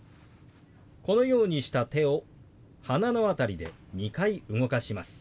このようにした手を鼻の辺りで２回動かします。